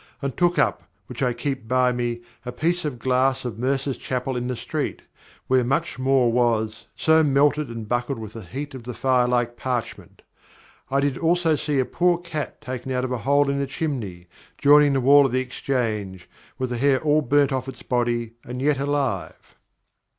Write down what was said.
And took up (which I keep by me) a piece of glass of Mercer's chapel in the street, where much more was, so melted and buckled with the heat of the fire like parchment. I did also see a poor cat taken out of a hole in a chimney, joining the wall of the Exchange, with the hair all burned off its body and yet alive."